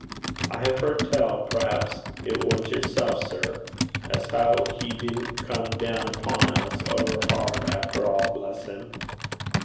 'I have heard tell p'raps it was yourself, sir as how he didn't come down upon us over hard after all, bless him!'